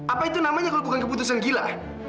apa itu namanya kalau bukan keputusan gila